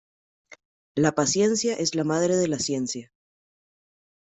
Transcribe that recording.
La paciencia es la madre de la ciencia.